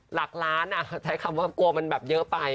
หลักล้านใช้คำว่าปลูกว่ามันเยอะไป